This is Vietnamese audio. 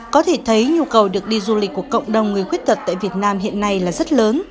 có thể thấy nhu cầu được đi du lịch của cộng đồng người khuyết tật tại việt nam hiện nay là rất lớn